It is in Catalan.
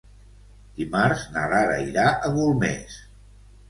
Dimarts na Lara irà a Golmés.